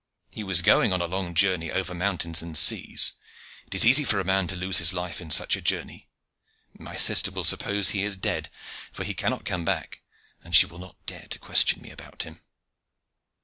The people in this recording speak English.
He was going on a long journey over mountains and seas; it is easy for a man to lose his life in such a journey. My sister will suppose he is dead; for he cannot come back, and she will not dare to question me about him."